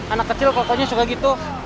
anak kecil pokoknya suka gitu